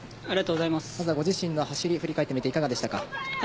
まずはご自身の走りを振り返ってみていかがでしたか？